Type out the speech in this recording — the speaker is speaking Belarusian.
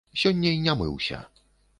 Сёння і не мыўся.